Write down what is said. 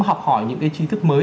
học hỏi những cái trí thức mới